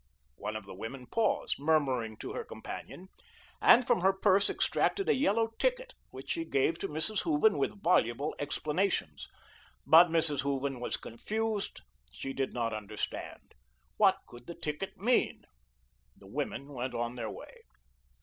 One of the women paused, murmuring to her companion, and from her purse extracted a yellow ticket which she gave to Mrs. Hooven with voluble explanations. But Mrs. Hooven was confused, she did not understand. What could the ticket mean? The women went on their way.